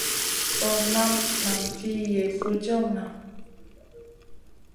Bur ma nan ti tuw Yezu jewna.